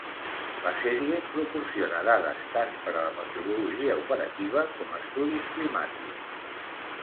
La sèrie proporciona dades tant per la meteorologia operativa com estudis climàtics.